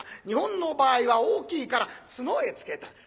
日本の場合は大きいから角へつけた。